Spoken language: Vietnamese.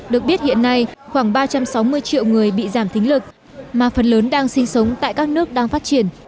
được biết hiện nay khoảng ba trăm sáu mươi triệu người bị giảm thính lực mà phần lớn đang sinh sống tại các nước đang phát triển